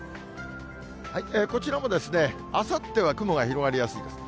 こちらもあさっては雲が広がりやすいです。